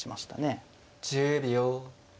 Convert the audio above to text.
１０秒。